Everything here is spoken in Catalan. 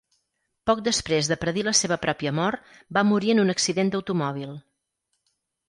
Poc després de predir la seva pròpia mort, va morir en un accident d'automòbil.